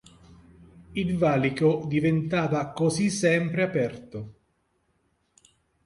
Il valico diventava così sempre aperto.